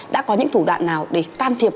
đã có những thủ đoạn nào để can thiệp